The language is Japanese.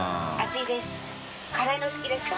い任辛いの好きですか？